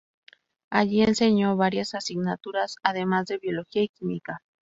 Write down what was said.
Allí enseñó varías asignaturas, además de Biología y Química.